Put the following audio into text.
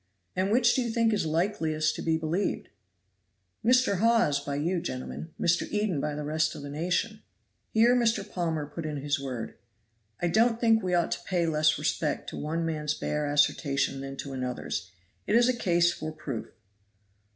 "And which do you think is likeliest to be believed?" "Mr. Hawes by you gentlemen; Mr. Eden by the rest of the nation." Here Mr. Palmer put in his word. "I don't think we ought to pay less respect to one man's bare assertion than to another's. It is a case for proof."